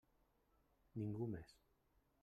Ningú més.